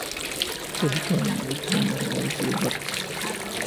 Está situada en el extremo oeste del barrio.